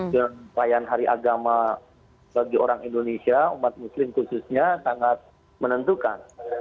dan bayan hari agama bagi orang indonesia umat muslim khususnya sangat menentukan